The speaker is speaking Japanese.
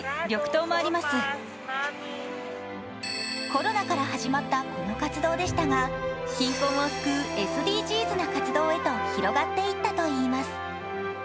コロナから始まったこの活動でしたが貧困を救うＳＤＧｓな活動へと広がっていったといいます。